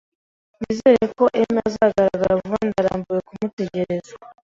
Nizere ko Emi azagaragara vuba. Ndarambiwe kumutegereza.